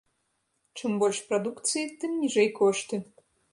Чым больш прадукцыі, тым ніжэй кошты.